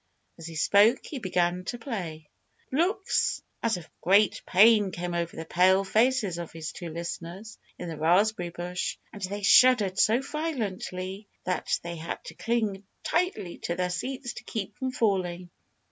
As he spoke he began to play. Looks as of great pain came over the pale faces of his two listeners in the raspberry bush. And they shuddered so violently that they had to cling tightly to their seats to keep from falling.